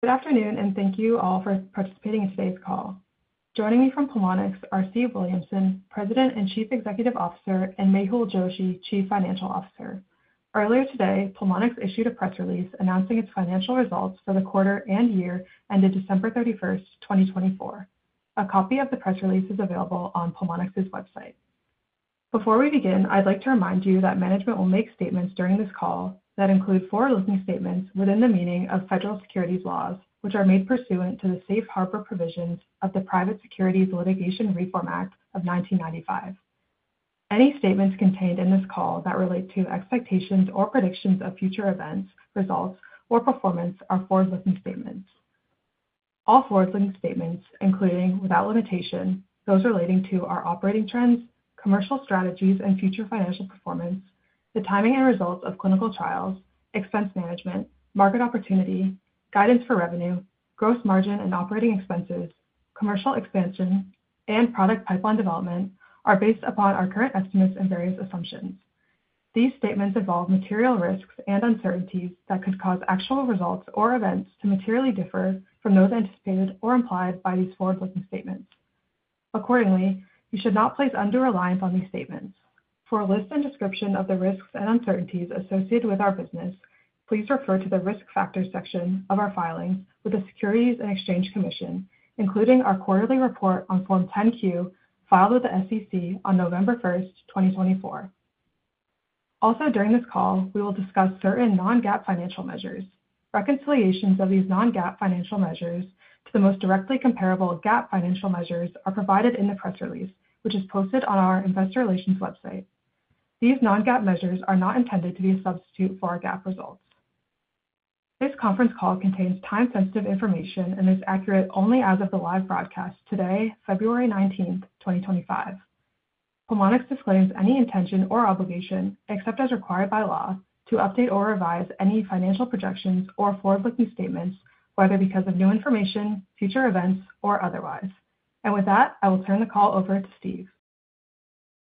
Good afternoon, and thank you all for participating in today's call. Joining me from Pulmonx are Steve Williamson, President and Chief Executive Officer, and Mehul Joshi, Chief Financial Officer. Earlier today, Pulmonx issued a press release announcing its financial results for the quarter and year ended December 31, 2024. A copy of the press release is available on Pulmonx's website. Before we begin, I'd like to remind you that management will make statements during this call that include forward-looking statements within the meaning of federal securities laws, which are made pursuant to the safe harbor provisions of the Private Securities Litigation Reform Act of 1995. Any statements contained in this call that relate to expectations or predictions of future events, results, or performance are forward-looking statements. All forward-looking statements, including without limitation, those relating to our operating trends, commercial strategies, and future financial performance, the timing and results of clinical trials, expense management, market opportunity, guidance for revenue, gross margin and operating expenses, commercial expansion, and product pipeline development, are based upon our current estimates and various assumptions. These statements involve material risks and uncertainties that could cause actual results or events to materially differ from those anticipated or implied by these forward-looking statements. Accordingly, you should not place undue reliance on these statements. For a list and description of the risks and uncertainties associated with our business, please refer to the risk factors section of our filings with the Securities and Exchange Commission, including our quarterly report on Form 10-Q filed with the SEC on November 1, 2024. Also, during this call, we will discuss certain non-GAAP financial measures. Reconciliations of these non-GAAP financial measures to the most directly comparable GAAP financial measures are provided in the press release, which is posted on our Investor Relations website. These non-GAAP measures are not intended to be a substitute for our GAAP results. This conference call contains time-sensitive information and is accurate only as of the live broadcast today, February 19, 2025. Pulmonx disclaims any intention or obligation, except as required by law, to update or revise any financial projections or forward-looking statements, whether because of new information, future events, or otherwise. I will turn the call over to Steve.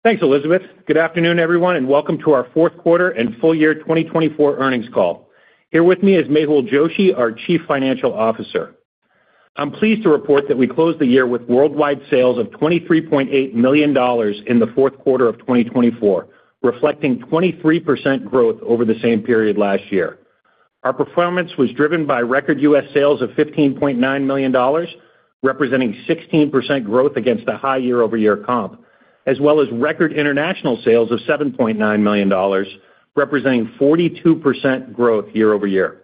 Thanks, Elizabeth. Good afternoon, everyone, and welcome to our fourth quarter and full year 2024 earnings call. Here with me is Mehul Joshi, our Chief Financial Officer. I'm pleased to report that we closed the year with worldwide sales of $23.8 million in the fourth quarter of 2024, reflecting 23% growth over the same period last year. Our performance was driven by record U.S. sales of $15.9 million, representing 16% growth against a high year-over-year comp, as well as record international sales of $7.9 million, representing 42% growth year-over-year.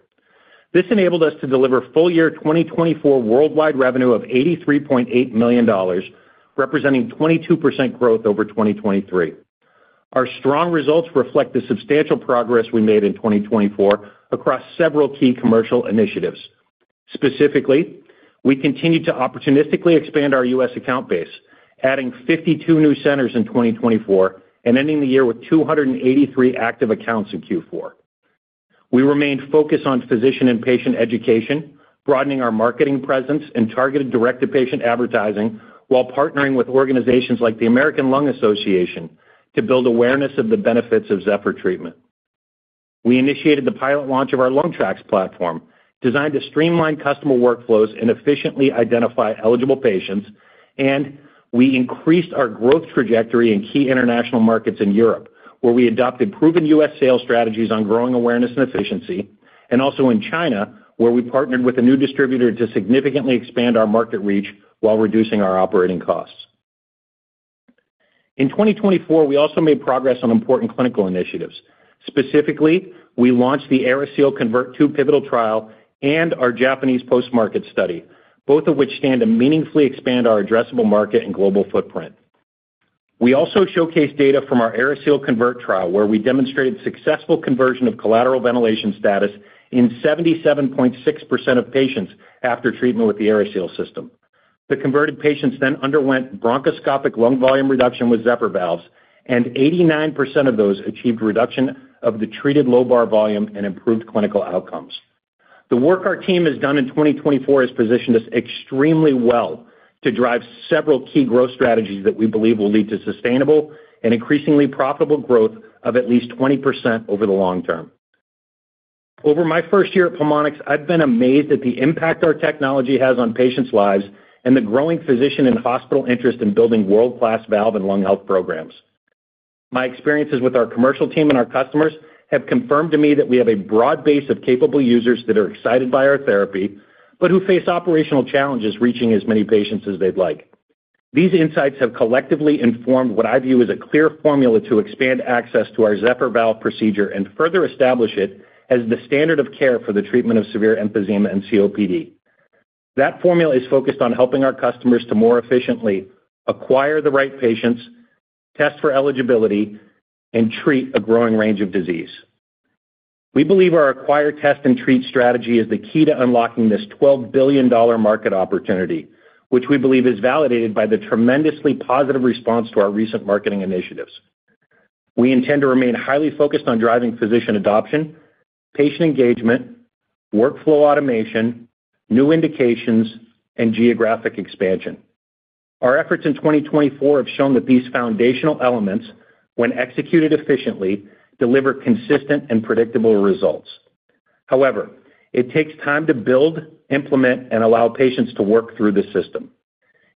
This enabled us to deliver full year 2024 worldwide revenue of $83.8 million, representing 22% growth over 2023. Our strong results reflect the substantial progress we made in 2024 across several key commercial initiatives. Specifically, we continued to opportunistically expand our U.S. account base, adding 52 new centers in 2024 and ending the year with 283 active accounts in Q4. We remained focused on physician and patient education, broadening our marketing presence and targeted direct-to-patient advertising while partnering with organizations like the American Lung Association to build awareness of the benefits of Zephyr treatment. We initiated the pilot launch of our LungTraX platform, designed to streamline customer workflows and efficiently identify eligible patients, and we increased our growth trajectory in key international markets in Europe, where we adopted proven U.S. sales strategies on growing awareness and efficiency, and also in China, where we partnered with a new distributor to significantly expand our market reach while reducing our operating costs. In 2024, we also made progress on important clinical initiatives. Specifically, we launched the AeriSeal CONVERT II Pivotal Trial and our Japanese post-market study, both of which stand to meaningfully expand our addressable market and global footprint. We also showcased data from our AeriSeal CONVERT Trial, where we demonstrated successful conversion of collateral ventilation status in 77.6% of patients after treatment with the AeriSeal system. The converted patients then underwent bronchoscopic lung volume reduction with Zephyr valves, and 89% of those achieved reduction of the treated lobar volume and improved clinical outcomes. The work our team has done in 2024 has positioned us extremely well to drive several key growth strategies that we believe will lead to sustainable and increasingly profitable growth of at least 20% over the long term. Over my first year at Pulmonx, I've been amazed at the impact our technology has on patients' lives and the growing physician and hospital interest in building world-class valve and lung health programs. My experiences with our commercial team and our customers have confirmed to me that we have a broad base of capable users that are excited by our therapy, but who face operational challenges reaching as many patients as they'd like. These insights have collectively informed what I view as a clear formula to expand access to our Zephyr Valve procedure and further establish it as the standard of care for the treatment of severe emphysema and COPD. That formula is focused on helping our customers to more efficiently acquire the right patients, test for eligibility, and treat a growing range of disease. We believe our acquire, test, and treat strategy is the key to unlocking this $12 billion market opportunity, which we believe is validated by the tremendously positive response to our recent marketing initiatives. We intend to remain highly focused on driving physician adoption, patient engagement, workflow automation, new indications, and geographic expansion. Our efforts in 2024 have shown that these foundational elements, when executed efficiently, deliver consistent and predictable results. However, it takes time to build, implement, and allow patients to work through the system.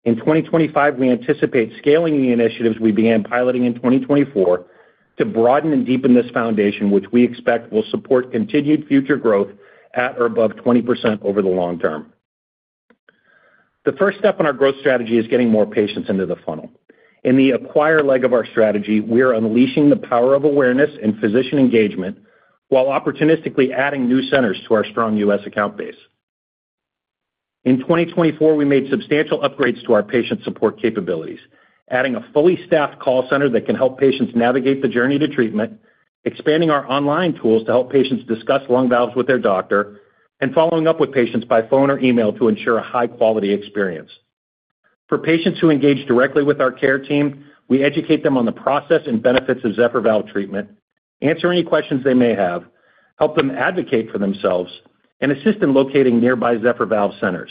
In 2025, we anticipate scaling the initiatives we began piloting in 2024 to broaden and deepen this foundation, which we expect will support continued future growth at or above 20% over the long term. The first step in our growth strategy is getting more patients into the funnel. In the acquire leg of our strategy, we are unleashing the power of awareness and physician engagement while opportunistically adding new centers to our strong U.S. account base. In 2024, we made substantial upgrades to our patient support capabilities, adding a fully staffed call center that can help patients navigate the journey to treatment, expanding our online tools to help patients discuss lung valves with their doctor, and following up with patients by phone or email to ensure a high-quality experience. For patients who engage directly with our care team, we educate them on the process and benefits of Zephyr valve treatment, answer any questions they may have, help them advocate for themselves, and assist in locating nearby Zephyr valve centers.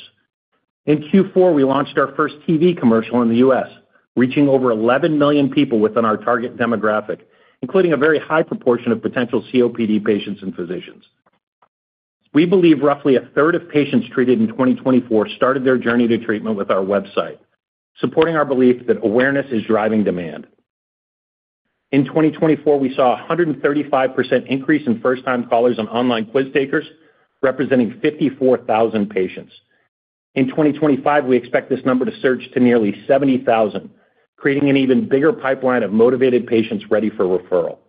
In Q4, we launched our first TV commercial in the U.S., reaching over 11 million people within our target demographic, including a very high proportion of potential COPD patients and physicians. We believe roughly a third of patients treated in 2024 started their journey to treatment with our website, supporting our belief that awareness is driving demand. In 2024, we saw a 135% increase in first-time callers and online quiz takers, representing 54,000 patients. In 2025, we expect this number to surge to nearly 70,000, creating an even bigger pipeline of motivated patients ready for referral.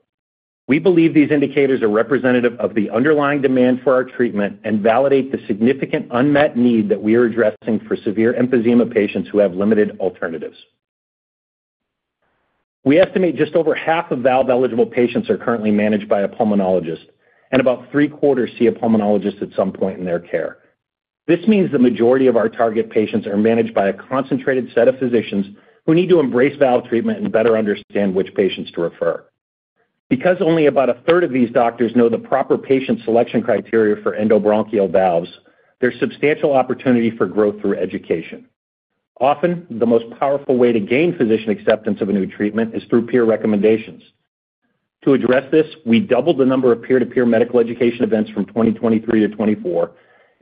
We believe these indicators are representative of the underlying demand for our treatment and validate the significant unmet need that we are addressing for severe emphysema patients who have limited alternatives. We estimate just over half of valve-eligible patients are currently managed by a pulmonologist, and about three-quarters see a pulmonologist at some point in their care. This means the majority of our target patients are managed by a concentrated set of physicians who need to embrace valve treatment and better understand which patients to refer. Because only about a third of these doctors know the proper patient selection criteria for endobronchial valves, there's substantial opportunity for growth through education. Often, the most powerful way to gain physician acceptance of a new treatment is through peer recommendations. To address this, we doubled the number of peer-to-peer medical education events from 2023 to 2024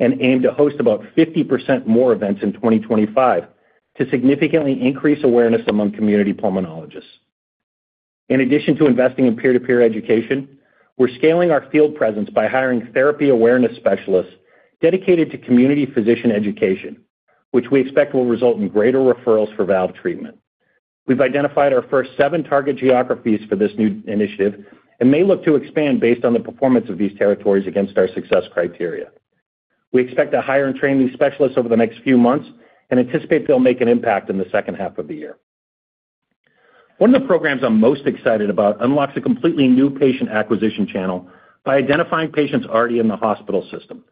and aim to host about 50% more events in 2025 to significantly increase awareness among community pulmonologists. In addition to investing in peer-to-peer education, we're scaling our field presence by hiring therapy awareness specialists dedicated to community physician education, which we expect will result in greater referrals for valve treatment. We've identified our first seven target geographies for this new initiative and may look to expand based on the performance of these territories against our success criteria. We expect to hire and train these specialists over the next few months and anticipate they'll make an impact in the second half of the year. One of the programs I'm most excited about unlocks a completely new patient acquisition channel by identifying patients already in the hospital system.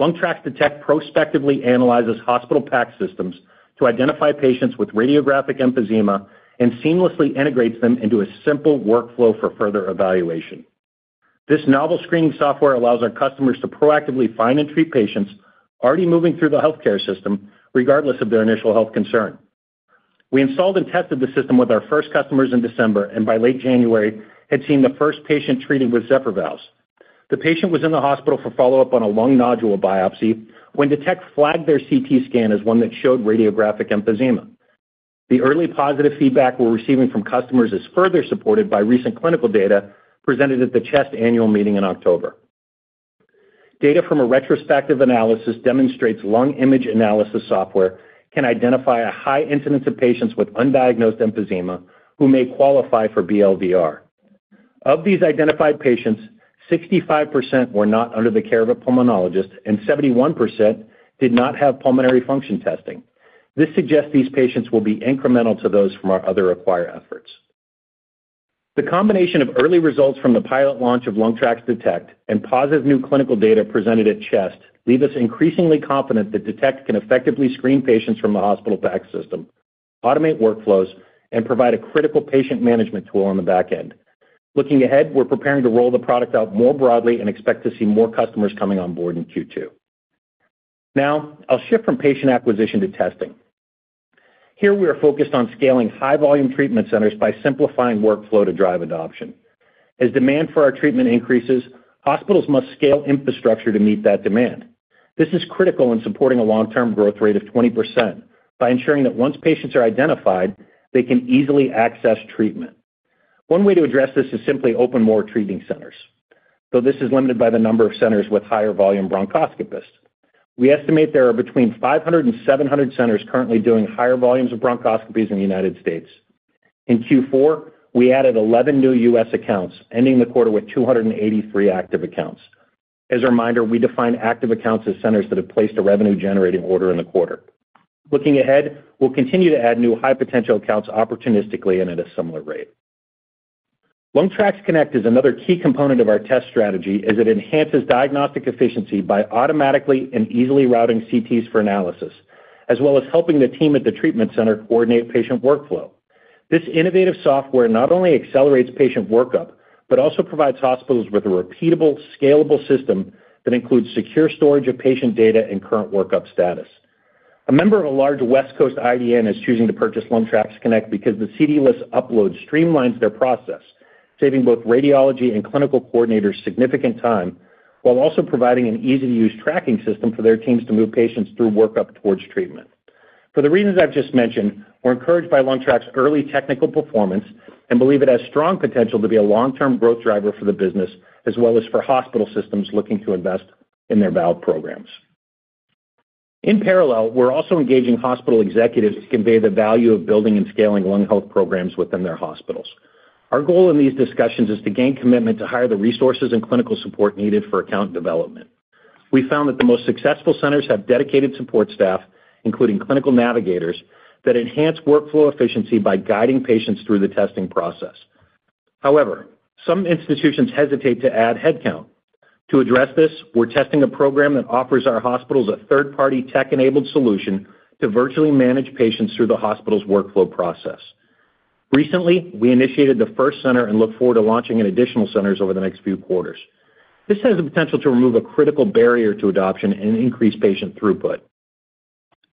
LungTraX Detect prospectively analyzes hospital PACS systems to identify patients with radiographic emphysema and seamlessly integrates them into a simple workflow for further evaluation. This novel screening software allows our customers to proactively find and treat patients already moving through the healthcare system, regardless of their initial health concern. We installed and tested the system with our first customers in December and by late January had seen the first patient treated with Zephyr valves. The patient was in the hospital for follow-up on a lung nodule biopsy when Detect flagged their CT scan as one that showed radiographic emphysema. The early positive feedback we're receiving from customers is further supported by recent clinical data presented at the CHEST annual meeting in October. Data from a retrospective analysis demonstrates lung image analysis software can identify a high incidence of patients with undiagnosed emphysema who may qualify for BLVR. Of these identified patients, 65% were not under the care of a pulmonologist and 71% did not have pulmonary function testing. This suggests these patients will be incremental to those from our other acquire efforts. The combination of early results from the pilot launch of LungTrax Detect and positive new clinical data presented at CHEST leave us increasingly confident that Detect can effectively screen patients from the hospital PACS system, automate workflows, and provide a critical patient management tool on the back end. Looking ahead, we're preparing to roll the product out more broadly and expect to see more customers coming on board in Q2. Now, I'll shift from patient acquisition to testing. Here, we are focused on scaling high-volume treatment centers by simplifying workflow to drive adoption. As demand for our treatment increases, hospitals must scale infrastructure to meet that demand. This is critical in supporting a long-term growth rate of 20% by ensuring that once patients are identified, they can easily access treatment. One way to address this is simply open more treating centers, though this is limited by the number of centers with higher volume bronchoscopists. We estimate there are between 500-700 centers currently doing higher volumes of bronchoscopies in the United States. In Q4, we added 11 new U.S. accounts, ending the quarter with 283 active accounts. As a reminder, we define active accounts as centers that have placed a revenue-generating order in the quarter. Looking ahead, we'll continue to add new high-potential accounts opportunistically and at a similar rate. LungTraX Connect is another key component of our test strategy as it enhances diagnostic efficiency by automatically and easily routing CTs for analysis, as well as helping the team at the treatment center coordinate patient workflow. This innovative software not only accelerates patient workup, but also provides hospitals with a repeatable, scalable system that includes secure storage of patient data and current workup status. A member of a large West Coast IDN is choosing to purchase LungTraX Connect because the CD list upload streamlines their process, saving both radiology and clinical coordinators significant time while also providing an easy-to-use tracking system for their teams to move patients through workup towards treatment. For the reasons I've just mentioned, we're encouraged by LungTraX's early technical performance and believe it has strong potential to be a long-term growth driver for the business, as well as for hospital systems looking to invest in their valve programs. In parallel, we're also engaging hospital executives to convey the value of building and scaling lung health programs within their hospitals. Our goal in these discussions is to gain commitment to hire the resources and clinical support needed for account development. We found that the most successful centers have dedicated support staff, including clinical navigators, that enhance workflow efficiency by guiding patients through the testing process. However, some institutions hesitate to add headcount. To address this, we're testing a program that offers our hospitals a third-party tech-enabled solution to virtually manage patients through the hospital's workflow process. Recently, we initiated the first center and look forward to launching additional centers over the next few quarters. This has the potential to remove a critical barrier to adoption and increase patient throughput.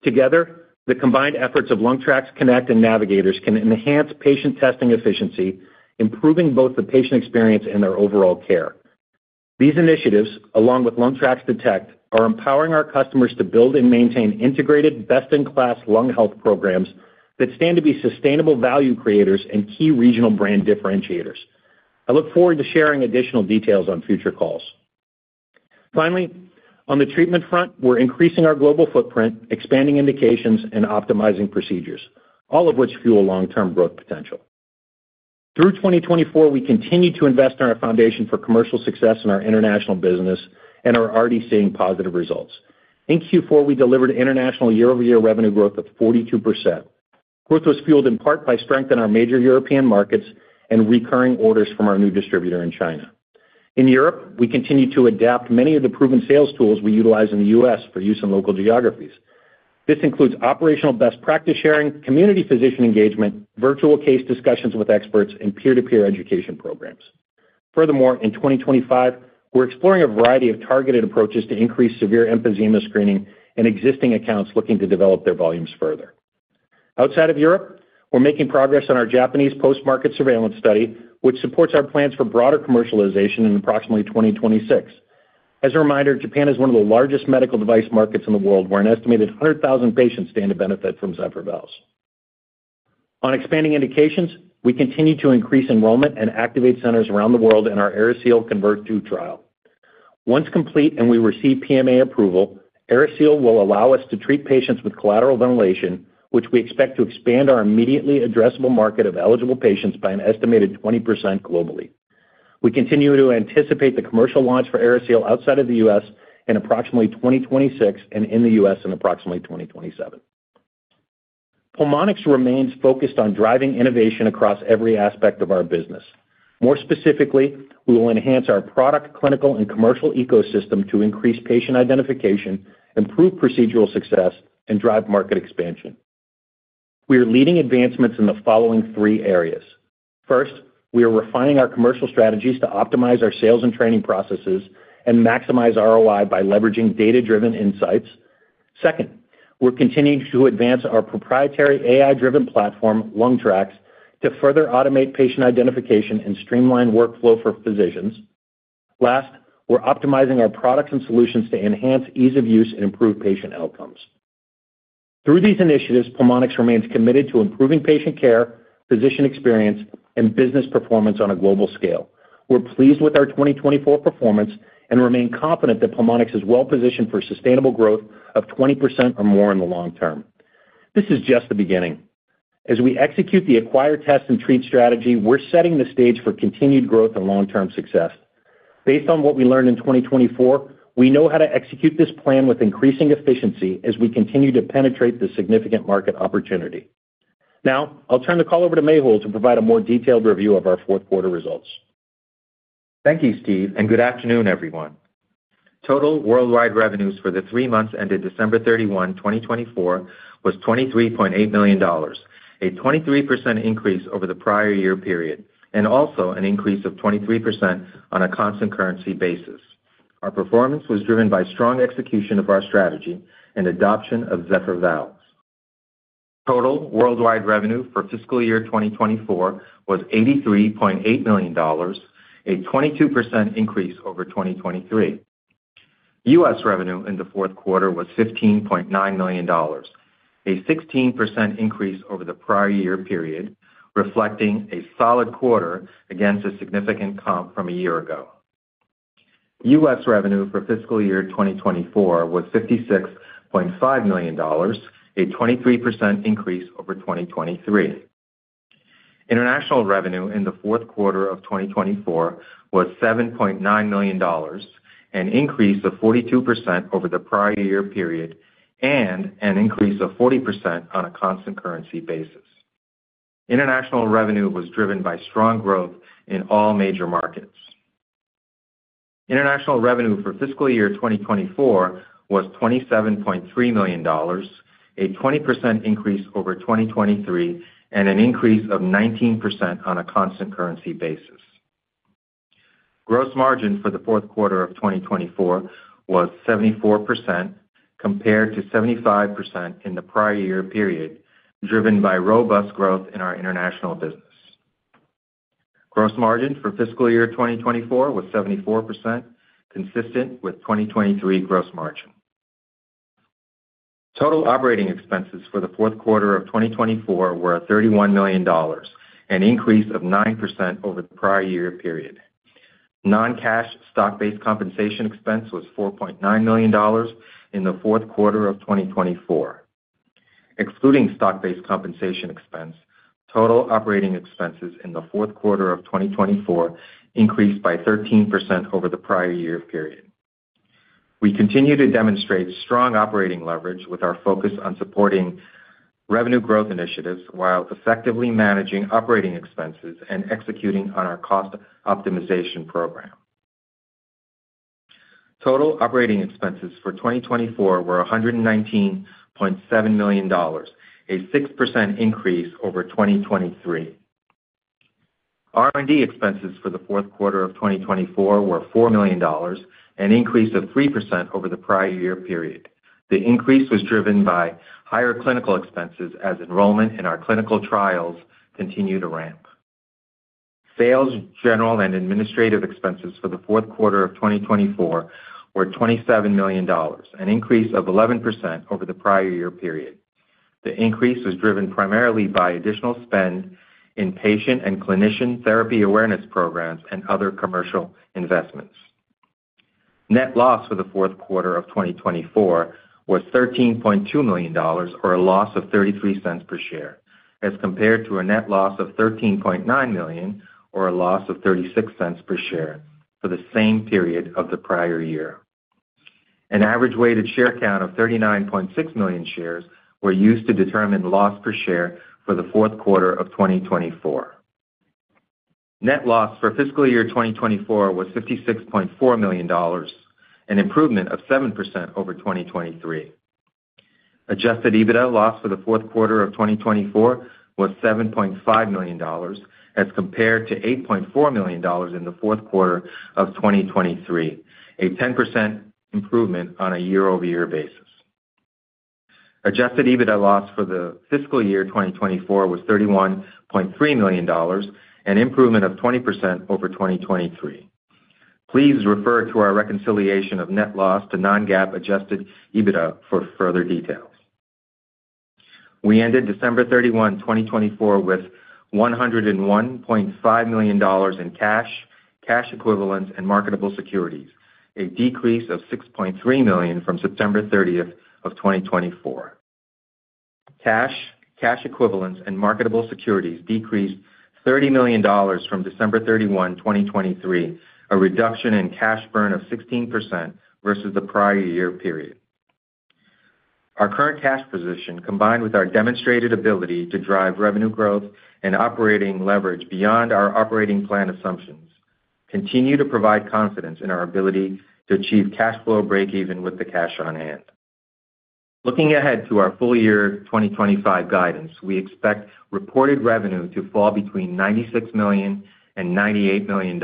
Together, the combined efforts of LungTraX Connect and navigators can enhance patient testing efficiency, improving both the patient experience and their overall care. These initiatives, along with LungTraX Detect, are empowering our customers to build and maintain integrated, best-in-class lung health programs that stand to be sustainable value creators and key regional brand differentiators. I look forward to sharing additional details on future calls. Finally, on the treatment front, we're increasing our global footprint, expanding indications, and optimizing procedures, all of which fuel long-term growth potential. Through 2024, we continue to invest in our foundation for commercial success in our international business and are already seeing positive results. In Q4, we delivered international year-over-year revenue growth of 42%. Growth was fueled in part by strength in our major European markets and recurring orders from our new distributor in China. In Europe, we continue to adapt many of the proven sales tools we utilize in the U.S. for use in local geographies. This includes operational best practice sharing, community physician engagement, virtual case discussions with experts, and peer-to-peer education programs. Furthermore, in 2025, we're exploring a variety of targeted approaches to increase severe emphysema screening and existing accounts looking to develop their volumes further. Outside of Europe, we're making progress on our Japanese post-market surveillance study, which supports our plans for broader commercialization in approximately 2026. As a reminder, Japan is one of the largest medical device markets in the world, where an estimated 100,000 patients stand to benefit from Zephyr valves. On expanding indications, we continue to increase enrollment and activate centers around the world in our AeriSeal CONVERT II Trial. Once complete and we receive PMA approval, AeriSeal will allow us to treat patients with collateral ventilation, which we expect to expand our immediately addressable market of eligible patients by an estimated 20% globally. We continue to anticipate the commercial launch for AeriSeal outside of the U.S. in approximately 2026 and in the U.S. in approximately 2027. Pulmonx remains focused on driving innovation across every aspect of our business. More specifically, we will enhance our product, clinical, and commercial ecosystem to increase patient identification, improve procedural success, and drive market expansion. We are leading advancements in the following three areas. First, we are refining our commercial strategies to optimize our sales and training processes and maximize ROI by leveraging data-driven insights. Second, we're continuing to advance our proprietary AI-driven platform, LungTraX, to further automate patient identification and streamline workflow for physicians. Last, we're optimizing our products and solutions to enhance ease of use and improve patient outcomes. Through these initiatives, Pulmonx remains committed to improving patient care, physician experience, and business performance on a global scale. We're pleased with our 2024 performance and remain confident that Pulmonx is well-positioned for sustainable growth of 20% or more in the long term. This is just the beginning. As we execute the acquire, test, and treat strategy, we're setting the stage for continued growth and long-term success. Based on what we learned in 2024, we know how to execute this plan with increasing efficiency as we continue to penetrate the significant market opportunity. Now, I'll turn the call over to Mehul to provide a more detailed review of our fourth quarter results. Thank you, Steve, and good afternoon, everyone. Total worldwide revenues for the three months ended December 31, 2024, was $23.8 million, a 23% increase over the prior year period, and also an increase of 23% on a constant currency basis. Our performance was driven by strong execution of our strategy and adoption of Zephyr valves. Total worldwide revenue for fiscal year 2024 was $83.8 million, a 22% increase over 2023. U.S. revenue in the fourth quarter was $15.9 million, a 16% increase over the prior year period, reflecting a solid quarter against a significant comp from a year ago. U.S. revenue for fiscal year 2024 was $56.5 million, a 23% increase over 2023. International revenue in the fourth quarter of 2024 was $7.9 million, an increase of 42% over the prior year period, and an increase of 40% on a constant currency basis. International revenue was driven by strong growth in all major markets. International revenue for fiscal year 2024 was $27.3 million, a 20% increase over 2023, and an increase of 19% on a constant currency basis. Gross margin for the fourth quarter of 2024 was 74% compared to 75% in the prior year period, driven by robust growth in our international business. Gross margin for fiscal year 2024 was 74%, consistent with 2023 gross margin. Total operating expenses for the fourth quarter of 2024 were $31 million, an increase of 9% over the prior year period. Non-cash stock-based compensation expense was $4.9 million in the fourth quarter of 2024. Excluding stock-based compensation expense, total operating expenses in the fourth quarter of 2024 increased by 13% over the prior year period. We continue to demonstrate strong operating leverage with our focus on supporting revenue growth initiatives while effectively managing operating expenses and executing on our cost optimization program. Total operating expenses for 2024 were $119.7 million, a 6% increase over 2023. R&D expenses for the fourth quarter of 2024 were $4 million, an increase of 3% over the prior year period. The increase was driven by higher clinical expenses as enrollment in our clinical trials continued to ramp. Sales, general, and administrative expenses for the fourth quarter of 2024 were $27 million, an increase of 11% over the prior year period. The increase was driven primarily by additional spend in patient and clinician therapy awareness programs and other commercial investments. Net loss for the fourth quarter of 2024 was $13.2 million, or a loss of $0.33 per share, as compared to a net loss of $13.9 million, or a loss of $0.36 per share for the same period of the prior year. An average weighted share count of 39.6 million shares was used to determine loss per share for the fourth quarter of 2024. Net loss for fiscal year 2024 was $56.4 million, an improvement of 7% over 2023. Adjusted EBITDA loss for the fourth quarter of 2024 was $7.5 million, as compared to $8.4 million in the fourth quarter of 2023, a 10% improvement on a year-over-year basis. Adjusted EBITDA loss for the fiscal year 2024 was $31.3 million, an improvement of 20% over 2023. Please refer to our reconciliation of net loss to non-GAAP adjusted EBITDA for further details. We ended December 31, 2024, with $101.5 million in cash, cash equivalents, and marketable securities, a decrease of $6.3 million from September 30, 2024. Cash, cash equivalents, and marketable securities decreased $30 million from December 31, 2023, a reduction in cash burn of 16% versus the prior year period. Our current cash position, combined with our demonstrated ability to drive revenue growth and operating leverage beyond our operating plan assumptions, continues to provide confidence in our ability to achieve cash flow break-even with the cash on hand. Looking ahead to our full year 2025 guidance, we expect reported revenue to fall between $96 million and $98 million.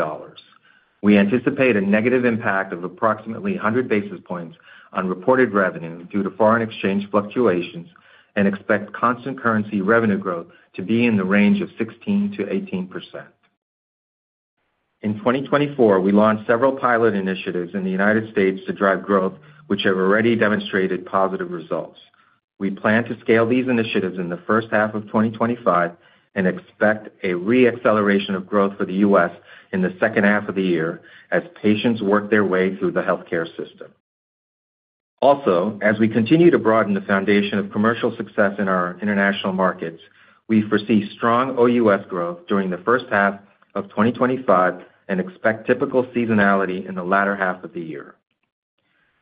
We anticipate a negative impact of approximately 100 basis points on reported revenue due to foreign exchange fluctuations and expect constant currency revenue growth to be in the range of 16%-18%. In 2024, we launched several pilot initiatives in the United States to drive growth, which have already demonstrated positive results. We plan to scale these initiatives in the first half of 2025 and expect a re-acceleration of growth for the U.S. in the second half of the year as patients work their way through the healthcare system. Also, as we continue to broaden the foundation of commercial success in our international markets, we foresee strong OUS growth during the first half of 2025 and expect typical seasonality in the latter half of the year.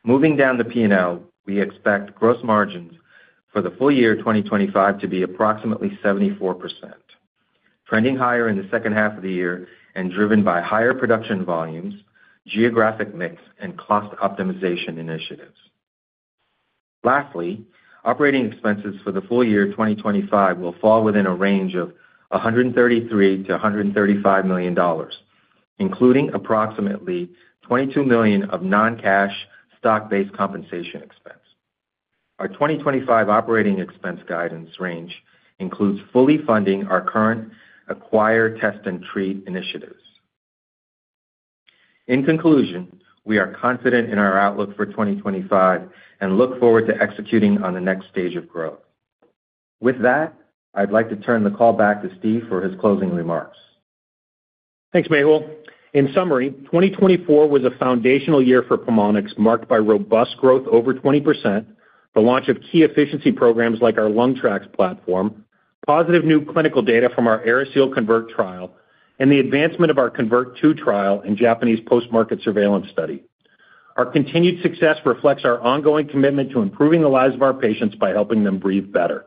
Moving down the P&L, we expect gross margins for the full year 2025 to be approximately 74%, trending higher in the second half of the year and driven by higher production volumes, geographic mix, and cost optimization initiatives. Lastly, operating expenses for the full year 2025 will fall within a range of $133 million-$135 million, including approximately $22 million of non-cash stock-based compensation expense. Our 2025 operating expense guidance range includes fully funding our current acquire, test, and treat initiatives. In conclusion, we are confident in our outlook for 2025 and look forward to executing on the next stage of growth. With that, I'd like to turn the call back to Steve for his closing remarks. Thanks, Mehul. In summary, 2024 was a foundational year for Pulmonx, marked by robust growth over 20%, the launch of key efficiency programs like our LungTraX platform, positive new clinical data from our AeriSeal CONVERT Trial, and the advancement of our CONVERT II trial and Japanese post-market surveillance study. Our continued success reflects our ongoing commitment to improving the lives of our patients by helping them breathe better.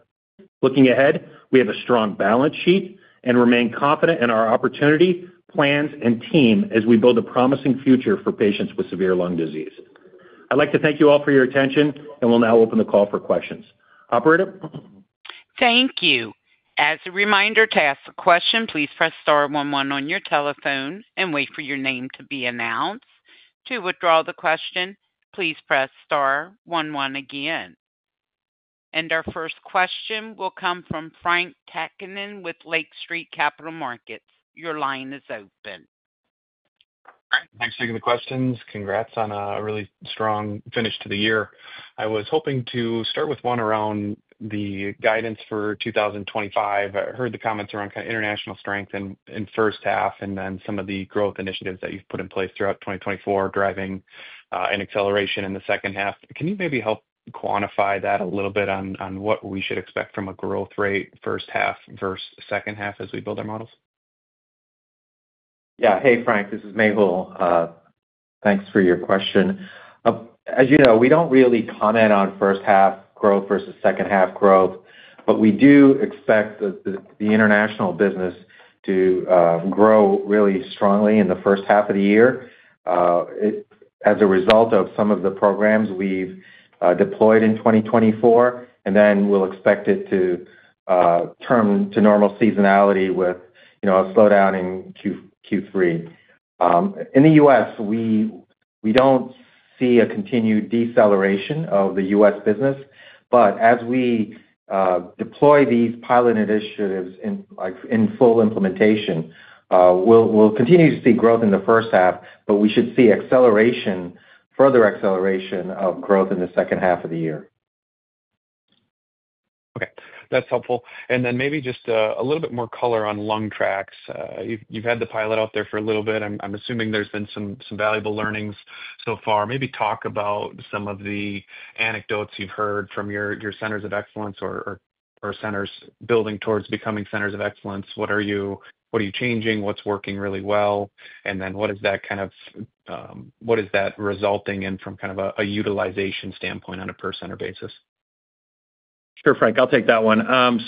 Looking ahead, we have a strong balance sheet and remain confident in our opportunity, plans, and team as we build a promising future for patients with severe lung disease. I'd like to thank you all for your attention, and we'll now open the call for questions. Operator. Thank you. As a reminder to ask a question, please press star one one on your telephone and wait for your name to be announced. To withdraw the question, please press star one one again. Our first question will come from Frank Takkinen with Lake Street Capital Markets. Your line is open. Thanks for taking the questions. Congrats on a really strong finish to the year. I was hoping to start with one around the guidance for 2025. I heard the comments around kind of international strength in the first half and then some of the growth initiatives that you've put in place throughout 2024, driving an acceleration in the second half. Can you maybe help quantify that a little bit on what we should expect from a growth rate, first half versus second half, as we build our models? Yeah. Hey, Frank, this is Mehul. Thanks for your question. As you know, we don't really comment on first half growth versus second half growth, but we do expect the international business to grow really strongly in the first half of the year as a result of some of the programs we've deployed in 2024, and then we'll expect it to turn to normal seasonality with a slowdown in Q3. In the U.S., we don't see a continued deceleration of the U.S. business, but as we deploy these pilot initiatives in full implementation, we'll continue to see growth in the first half, but we should see further acceleration of growth in the second half of the year. Okay. That's helpful. Maybe just a little bit more color on LungTraX. You've had the pilot out there for a little bit. I'm assuming there's been some valuable learnings so far. Maybe talk about some of the anecdotes you've heard from your centers of excellence or centers building towards becoming centers of excellence. What are you changing? What's working really well? What is that resulting in from a utilization standpoint on a per-center basis? Sure, Frank. I'll take that one.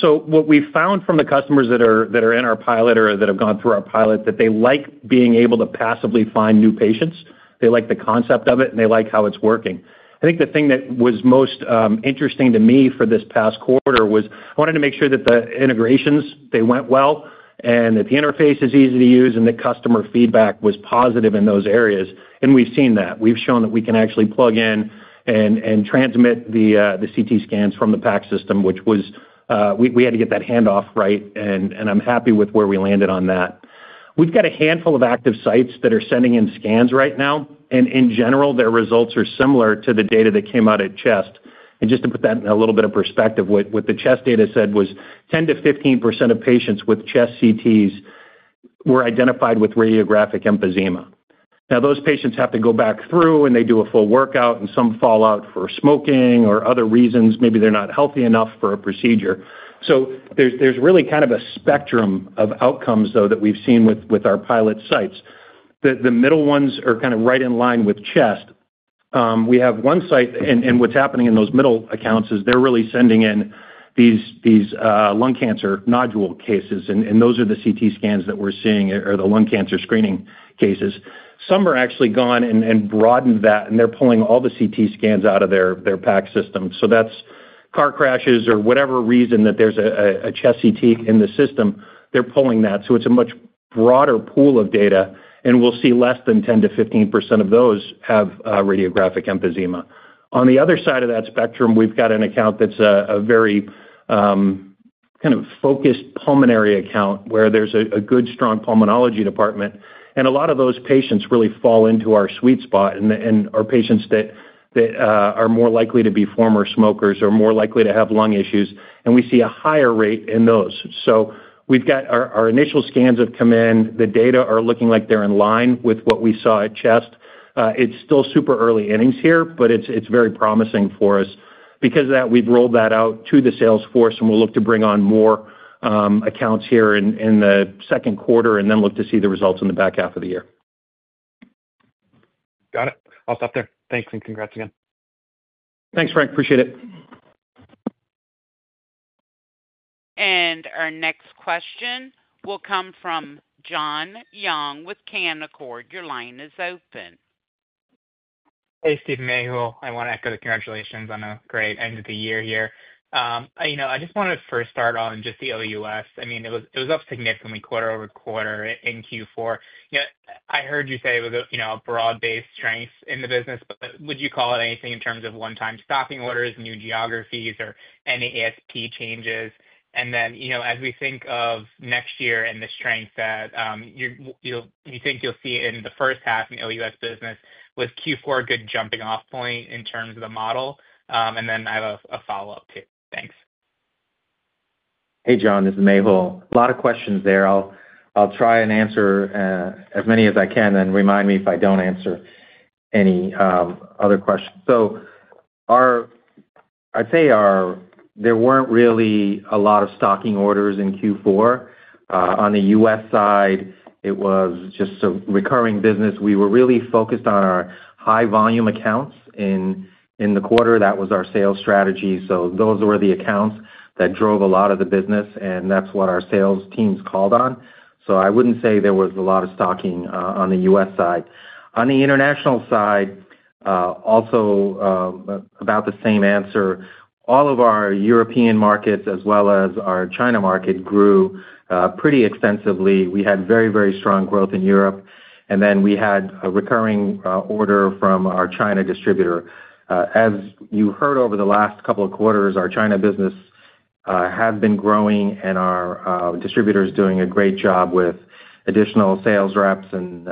What we found from the customers that are in our pilot or that have gone through our pilot is that they like being able to passively find new patients. They like the concept of it, and they like how it's working. I think the thing that was most interesting to me for this past quarter was I wanted to make sure that the integrations, they went well, and that the interface is easy to use, and the customer feedback was positive in those areas. We've seen that. We've shown that we can actually plug in and transmit the CT scans from the PACS system, which was we had to get that handoff right, and I'm happy with where we landed on that. We've got a handful of active sites that are sending in scans right now, and in general, their results are similar to the data that came out at CHEST. Just to put that in a little bit of perspective, what the CHEST data said was 10%-15% of patients with CHEST CTs were identified with radiographic emphysema. Now, those patients have to go back through, and they do a full workout, and some fall out for smoking or other reasons. Maybe they're not healthy enough for a procedure. There's really kind of a spectrum of outcomes, though, that we've seen with our pilot sites. The middle ones are kind of right in line with CHEST. We have one site, and what's happening in those middle accounts is they're really sending in these lung cancer nodule cases, and those are the CT scans that we're seeing or the lung cancer screening cases. Some are actually gone and broadened that, and they're pulling all the CT scans out of their PACS system. That is car crashes or whatever reason that there's a CHEST CT in the system. They're pulling that. It is a much broader pool of data, and we'll see less than 10%-15% of those have radiographic emphysema. On the other side of that spectrum, we've got an account that's a very kind of focused pulmonary account where there's a good, strong pulmonology department, and a lot of those patients really fall into our sweet spot, and our patients that are more likely to be former smokers or more likely to have lung issues, and we see a higher rate in those. We've got our initial scans have come in. The data are looking like they're in line with what we saw at CHEST. It's still super early innings here, but it's very promising for us. Because of that, we've rolled that out to the sales force, and we'll look to bring on more accounts here in the second quarter and then look to see the results in the back half of the year. Got it. I'll stop there. Thanks, and congrats again. Thanks, Frank. Appreciate it. Our next question will come from Jon Young with Canaccord. Your line is open. Hey, Steve, Mehul. I want to echo the congratulations on a great end of the year here. I just want to first start on just the OUS. I mean, it was up significantly quarter-over-quarter in Q4. I heard you say it was a broad-based strength in the business, but would you call it anything in terms of one-time stocking orders, new geographies, or any ASP changes? As we think of next year and the strength that you think you'll see in the first half in OUS business, was Q4 a good jumping-off point in terms of the model? I have a follow-up too. Thanks. Hey, Jon. This is Mehul. A lot of questions there. I'll try and answer as many as I can and remind me if I don't answer any other questions. I'd say there weren't really a lot of stocking orders in Q4. On the U.S. side, it was just a recurring business. We were really focused on our high-volume accounts in the quarter. That was our sales strategy. Those were the accounts that drove a lot of the business, and that's what our sales teams called on. I wouldn't say there was a lot of stocking on the U.S. side. On the international side, also about the same answer. All of our European markets, as well as our China market, grew pretty extensively. We had very, very strong growth in Europe, and then we had a recurring order from our China distributor. As you heard over the last couple of quarters, our China business has been growing, and our distributor is doing a great job with additional sales reps and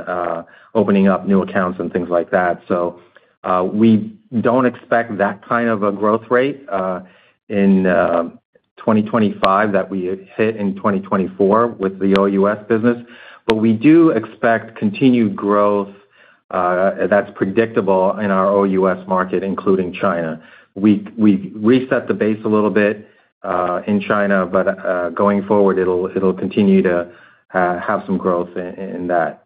opening up new accounts and things like that. We do not expect that kind of a growth rate in 2025 that we hit in 2024 with the OUS business, but we do expect continued growth that's predictable in our OUS market, including China. We've reset the base a little bit in China, but going forward, it'll continue to have some growth in that.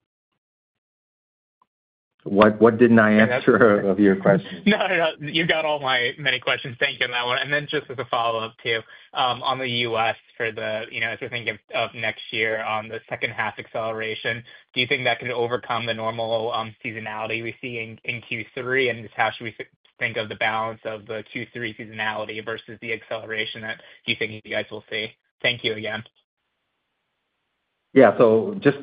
What didn't I answer of your question? No, no. You've got all my many questions. Thank you on that one. Just as a follow-up too, on the U.S., if you're thinking of next year on the second half acceleration, do you think that can overcome the normal seasonality we see in Q3? Just how should we think of the balance of the Q3 seasonality versus the acceleration that you think you guys will see? Thank you again. Yeah. Just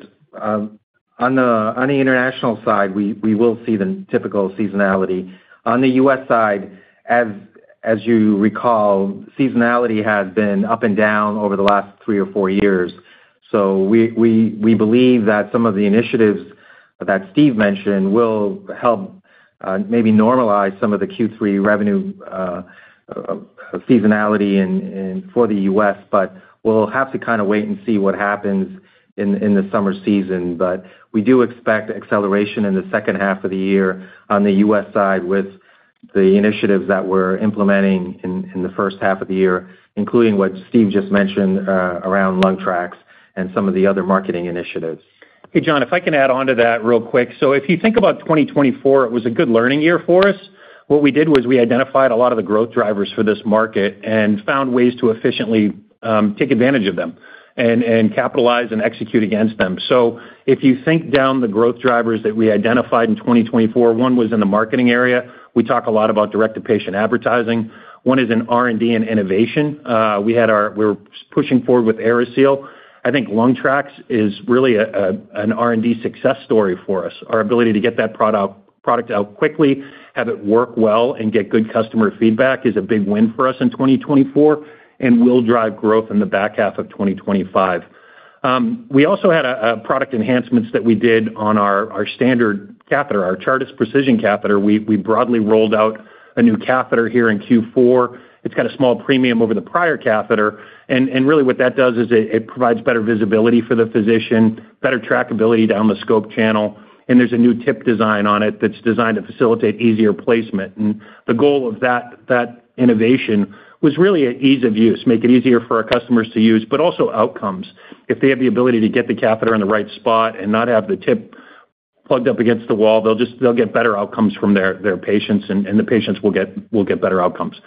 on the international side, we will see the typical seasonality. On the U.S. side, as you recall, seasonality has been up and down over the last three or four years. We believe that some of the initiatives that Steve mentioned will help maybe normalize some of the Q3 revenue seasonality for the U.S., but we'll have to kind of wait and see what happens in the summer season. We do expect acceleration in the second half of the year on the U.S. side with the initiatives that we're implementing in the first half of the year, including what Steve just mentioned around LungTraX and some of the other marketing initiatives. Hey, Jon, if I can add on to that real quick. If you think about 2024, it was a good learning year for us. What we did was we identified a lot of the growth drivers for this market and found ways to efficiently take advantage of them and capitalize and execute against them. If you think down the growth drivers that we identified in 2024, one was in the marketing area. We talk a lot about direct-to-patient advertising. One is in R&D and innovation. We were pushing forward with AeriSeal. I think LungTraX is really an R&D success story for us. Our ability to get that product out quickly, have it work well, and get good customer feedback is a big win for us in 2024 and will drive growth in the back half of 2025. We also had product enhancements that we did on our standard catheter, our Chartis Precision Catheter. We broadly rolled out a new catheter here in Q4. It's got a small premium over the prior catheter. What that does is it provides better visibility for the physician, better trackability down the scope channel, and there's a new tip design on it that's designed to facilitate easier placement. The goal of that innovation was really ease of use, make it easier for our customers to use, but also outcomes. If they have the ability to get the catheter in the right spot and not have the tip plugged up against the wall, they'll get better outcomes from their patients, and the patients will get better outcomes.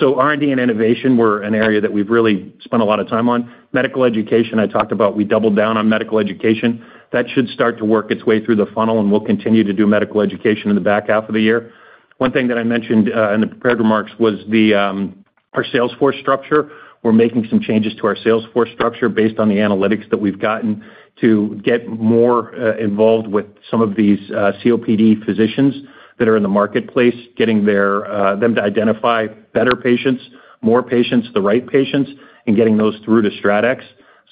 R&D and innovation were an area that we've really spent a lot of time on. Medical education, I talked about we doubled down on medical education. That should start to work its way through the funnel, and we'll continue to do medical education in the back half of the year. One thing that I mentioned in the prepared remarks was our sales force structure. We're making some changes to our sales force structure based on the analytics that we've gotten to get more involved with some of these COPD physicians that are in the marketplace, getting them to identify better patients, more patients, the right patients, and getting those through to StratX.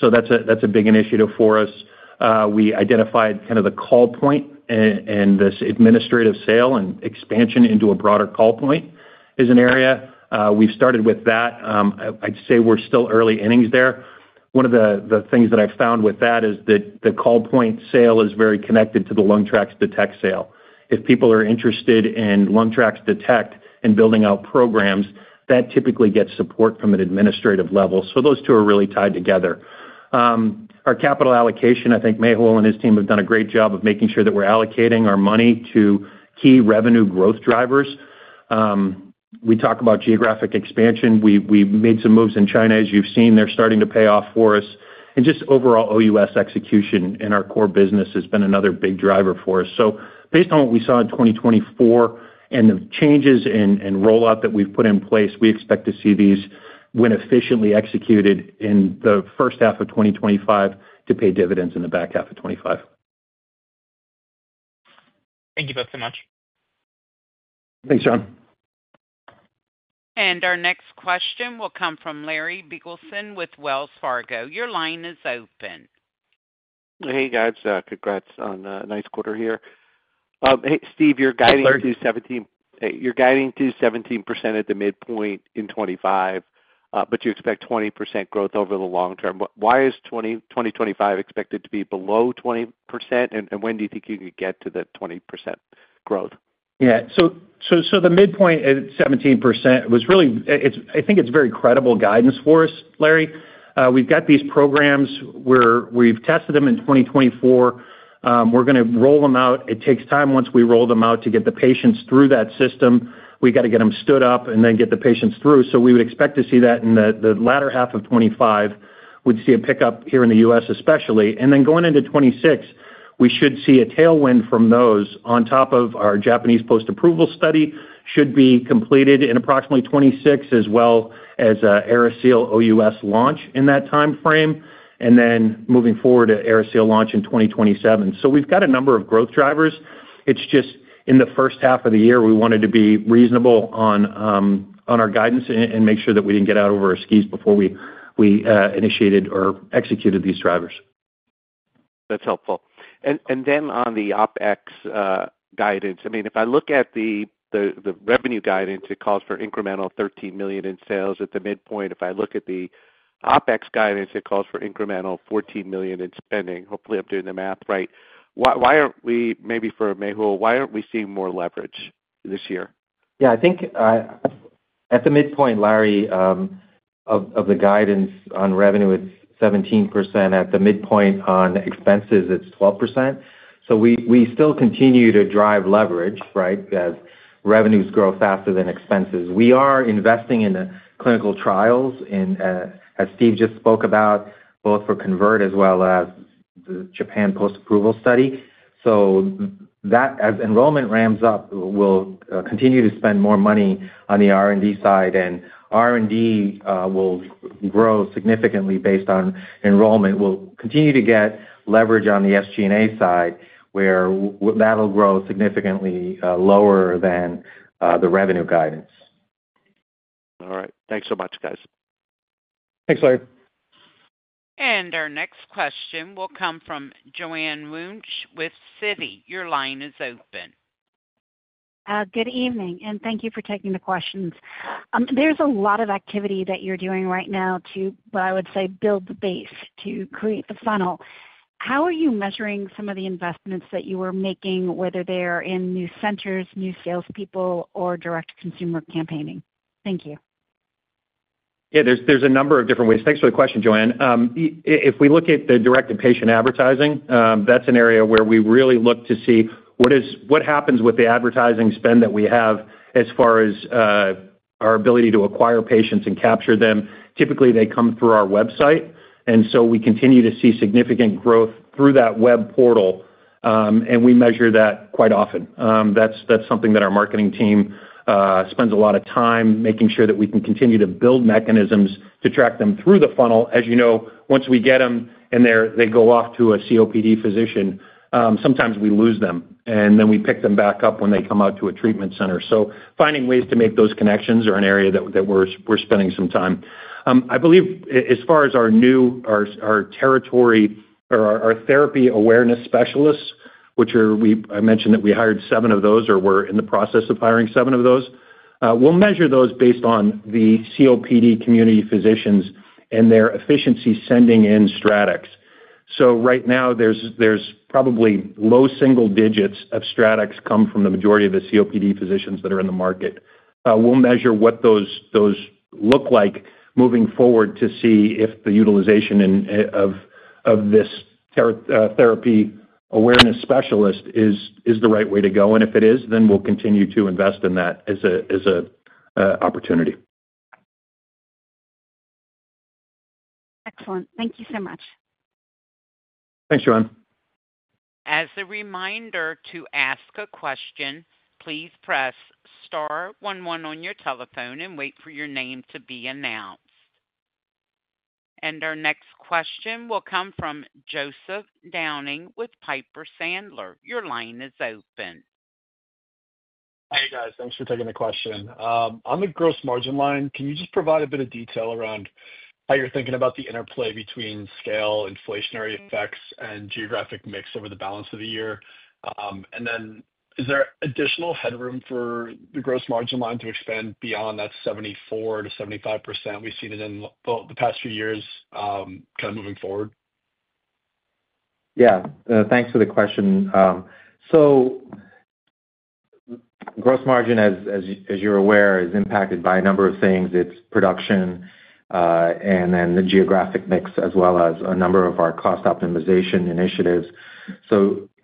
That is a big initiative for us. We identified kind of the call point and this administrative sale and expansion into a broader call point is an area. We've started with that. I'd say we're still early innings there. One of the things that I've found with that is that the call point sale is very connected to the LungTraX Detect sale. If people are interested in LungTraX Detect and building out programs, that typically gets support from an administrative level. Those two are really tied together. Our capital allocation, I think Mehul and his team have done a great job of making sure that we're allocating our money to key revenue growth drivers. We talk about geographic expansion. We made some moves in China, as you've seen. They're starting to pay off for us. Overall OUS execution in our core business has been another big driver for us. Based on what we saw in 2024 and the changes and rollout that we've put in place, we expect to see these when efficiently executed in the first half of 2025 to pay dividends in the back half of 2025. Thank you both so much. Thanks, John. Our next question will come from Larry Biegelsen with Wells Fargo. Your line is open. Hey, guys. Congrats on a nice quarter here. Hey, Steve, you're guiding to 17% at the midpoint in 2025, but you expect 20% growth over the long term. Why is 2025 expected to be below 20%, and when do you think you could get to that 20% growth? Yeah. The midpoint at 17% was really, I think it's very credible guidance for us, Larry. We've got these programs. We've tested them in 2024. We're going to roll them out. It takes time once we roll them out to get the patients through that system. We've got to get them stood up and then get the patients through. We would expect to see that in the latter half of 2025. We'd see a pickup here in the U.S., especially. Going into 2026, we should see a tailwind from those on top of our Japanese post-approval study, which should be completed in approximately 2026, as well as AeriSeal OUS launch in that timeframe, and then moving forward to AeriSeal launch in 2027. We've got a number of growth drivers. In the first half of the year, we wanted to be reasonable on our guidance and make sure that we did not get out over our skis before we initiated or executed these drivers. That's helpful. On the OpEx guidance, I mean, if I look at the revenue guidance, it calls for incremental $13 million in sales at the midpoint. If I look at the OpEx guidance, it calls for incremental $14 million in spending. Hopefully, I'm doing the math right. Why aren't we, maybe for Mehul, why aren't we seeing more leverage this year? Yeah. I think at the midpoint, Larry, of the guidance on revenue, it's 17%. At the midpoint on expenses, it's 12%. We still continue to drive leverage, right, as revenues grow faster than expenses. We are investing in clinical trials, as Steve just spoke about, both for CONVERT as well as the Japan post-approval study. As enrollment ramps up, we'll continue to spend more money on the R&D side, and R&D will grow significantly based on enrollment. We'll continue to get leverage on the SG&A side, where that'll grow significantly lower than the revenue guidance. Alright. Thanks so much, guys. Thanks, Larry. Our next question will come from Joanne Wuensch with Citi. Your line is open. Good evening, and thank you for taking the questions. There's a lot of activity that you're doing right now to, what I would say, build the base, to create the funnel. How are you measuring some of the investments that you are making, whether they're in new centers, new salespeople, or direct-to-consumer campaigning? Thank you. Yeah. There's a number of different ways. Thanks for the question, Joanne. If we look at the direct-to-patient advertising, that's an area where we really look to see what happens with the advertising spend that we have as far as our ability to acquire patients and capture them. Typically, they come through our website, and we continue to see significant growth through that web portal, and we measure that quite often. That's something that our marketing team spends a lot of time making sure that we can continue to build mechanisms to track them through the funnel. As you know, once we get them and they go off to a COPD physician, sometimes we lose them, and then we pick them back up when they come out to a treatment center. Finding ways to make those connections are an area that we're spending some time. I believe as far as our new territory or our therapy awareness specialists, which I mentioned that we hired seven of those or we're in the process of hiring seven of those, we'll measure those based on the COPD community physicians and their efficiency sending in StratX. Right now, there's probably low single-digits of StratX come from the majority of the COPD physicians that are in the market. We'll measure what those look like moving forward to see if the utilization of this therapy awareness specialist is the right way to go. If it is, then we'll continue to invest in that as an opportunity. Excellent. Thank you so much. Thanks, Joanne. As a reminder to ask a question, please press star one one on your telephone and wait for your name to be announced. Our next question will come from Joseph Downing with Piper Sandler. Your line is open. Hey, guys. Thanks for taking the question. On the gross margin line, can you just provide a bit of detail around how you're thinking about the interplay between scale, inflationary effects, and geographic mix over the balance of the year? Is there additional headroom for the gross margin line to expand beyond that 74%-75% we've seen in the past few years moving forward? Yeah. Thanks for the question. Gross margin, as you're aware, is impacted by a number of things. It's production and then the geographic mix as well as a number of our cost optimization initiatives.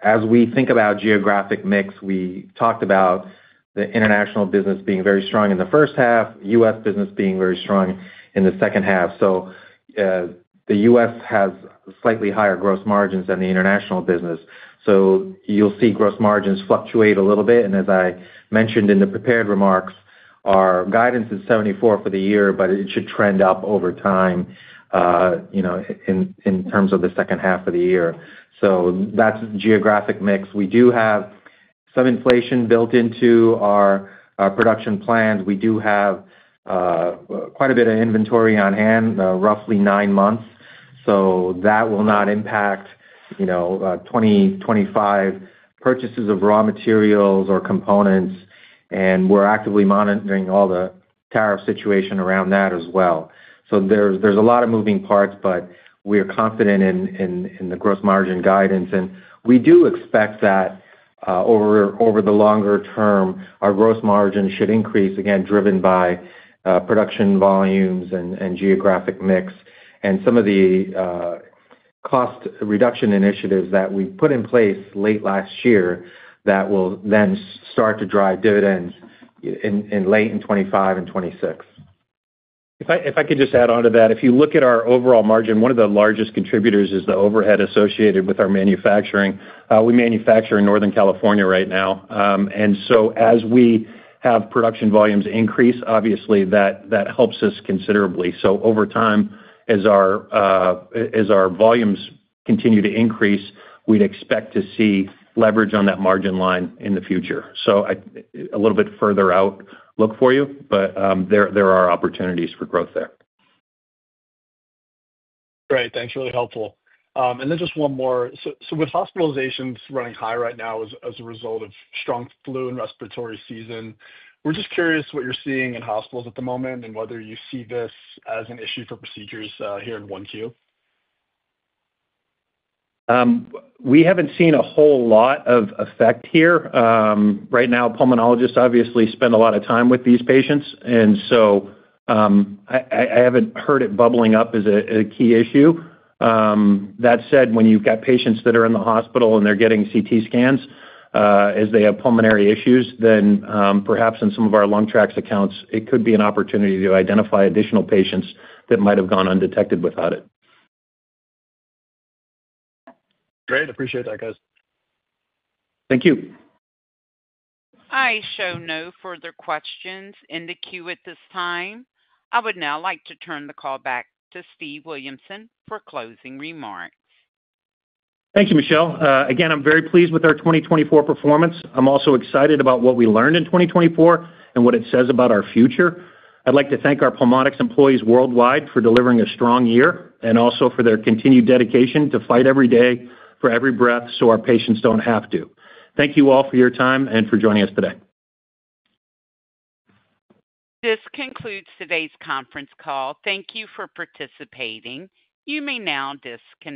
As we think about geographic mix, we talked about the international business being very strong in the first half, U.S. business being very strong in the second half. The U.S. has slightly higher gross margins than the international business. You'll see gross margins fluctuate a little bit. As I mentioned in the prepared remarks, our guidance is 74% for the year, but it should trend up over time in terms of the second half of the year. That's geographic mix. We do have some inflation built into our production plans. We do have quite a bit of inventory on hand, roughly nine months. That will not impact 2025 purchases of raw materials or components. We are actively monitoring all the tariff situation around that as well. There are a lot of moving parts, but we are confident in the gross margin guidance. We do expect that over the longer term, our gross margin should increase, again, driven by production volumes and geographic mix. Some of the cost reduction initiatives that we put in place late last year will then start to drive dividends in late in 2025 and 2026. If I could just add on to that, if you look at our overall margin, one of the largest contributors is the overhead associated with our manufacturing. We manufacture in Northern California right now. As we have production volumes increase, obviously, that helps us considerably. Over time, as our volumes continue to increase, we'd expect to see leverage on that margin line in the future. A little bit further outlook for you, but there are opportunities for growth there. Great. Thanks. Really helpful. Just one more. With hospitalizations running high right now as a result of strong flu and respiratory season, we're just curious what you're seeing in hospitals at the moment and whether you see this as an issue for procedures here in 1Q? We haven't seen a whole lot of effect here. Right now, pulmonologists obviously spend a lot of time with these patients. I haven't heard it bubbling up as a key issue. That said, when you've got patients that are in the hospital and they're getting CT scans as they have pulmonary issues, then perhaps in some of our LungTraX accounts, it could be an opportunity to identify additional patients that might have gone undetected without it. Great. Appreciate that, guys. Thank you. I show no further questions in the queue at this time. I would now like to turn the call back to Steve Williamson for closing remarks. Thank you, Michelle. Again, I'm very pleased with our 2024 performance. I'm also excited about what we learned in 2024 and what it says about our future. I'd like to thank our Pulmonx employees worldwide for delivering a strong year and also for their continued dedication to fight every day for every breath so our patients don't have to. Thank you all for your time and for joining us today. This concludes today's conference call. Thank you for participating. You may now disconnect.